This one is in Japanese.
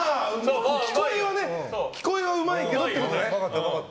聴こえはうまいけどってことね。